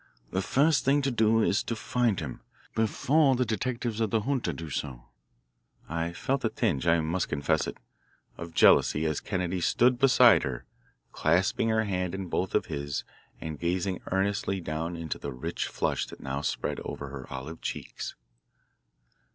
"The first thing to do is to find him before the detectives of the junta do so." I felt a tinge I must confess it of jealousy as Kennedy stood beside her, clasping her hand in both of his and gazing earnestly down into the rich flush that now spread over her olive cheeks.